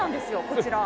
こちら。